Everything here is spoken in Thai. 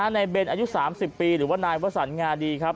ในเบนอายุ๓๐ปีหรือว่านายพระสัญญาณดีครับ